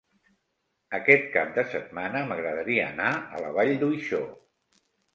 Aquest cap de setmana m'agradaria anar a la Vall d'Uixó.